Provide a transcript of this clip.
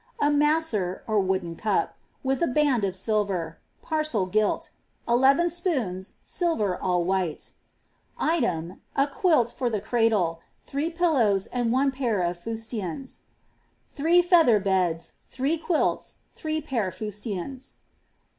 A mater (wooden cup), with a band of silver, parcel gilL 11 spoons, silver, all white. Item, a quilt for the cradle, 3 pillows, and 1 psir ftistians. 3 feather beds, 3 quilts, 3 pair fustians.